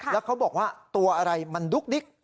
แล้วเขาบอกว่าตัวอะไรมันดุ๊กดิ๊ก